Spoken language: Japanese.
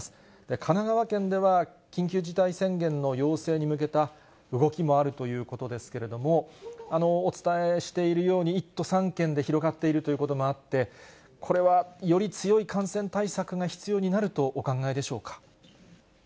神奈川県では、緊急事態宣言の要請に向けた動きもあるということですけれども、お伝えしているように、１都３県で広がっているということもあって、これはより強い感染対策が必要になるとお考えでしょうか。